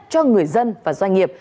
cho người dân và doanh nghiệp